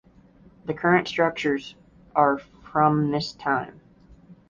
The current structures are from this time.